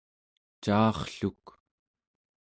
caarrluk